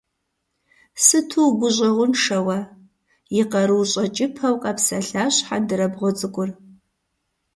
Сыту угущӀэгъуншэ уэ, - и къарур щӀэкӀыпэу къэпсэлъащ хьэндырабгъуэ цӀыкӀур.